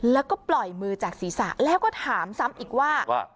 แล้วก็ปล่อยมือจากศีรษะแล้วก็ถามซ้ำอีกว่า